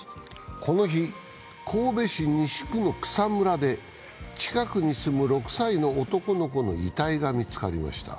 この日、神戸市西区の草むらで近くに住む６歳の男の子の遺体が見つかりました。